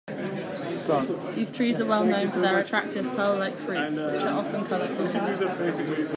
These trees are well-known for their attractive, pearl-like fruit which are often colorful.